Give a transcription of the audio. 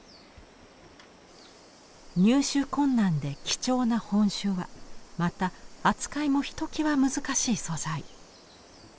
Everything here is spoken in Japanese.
入手困難で貴重な本朱はまた扱いもひときわ難しい素材。